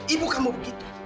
ibu kamu begitu